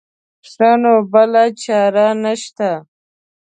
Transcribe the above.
ښه نو بله چاره نه شته.